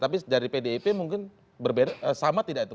tapi dari pd ip mungkin sama tidak itu